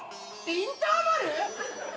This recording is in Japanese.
インターバル！？